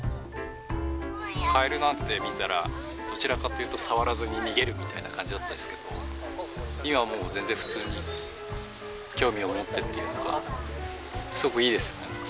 カエルなんて見たら、どちらかというと、触らずに逃げるみたいな感じだったんですけど、今はもう全然普通に、興味を持ってるというか。